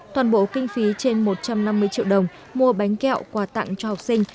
toàn bộ kinh phí trên một trăm năm mươi triệu đồng mua bánh kẹo quà tặng cho học sinh